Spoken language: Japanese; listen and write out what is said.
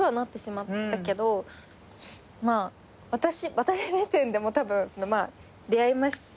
私目線でもたぶん出会いました